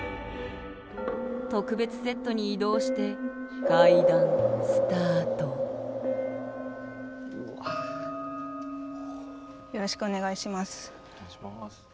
特別セットに移動してよろしくお願いします。